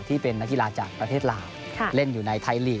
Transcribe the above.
ที่เป็นนักกีฬาจากประเทศลาวเล่นอยู่ในไทยลีก